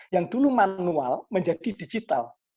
yang dulu manual menjadi digital